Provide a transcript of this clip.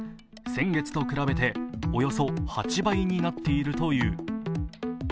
先月と比べて、およそ８倍になっているという。